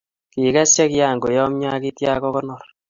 Kikes che ki kako yamyo itya ko konor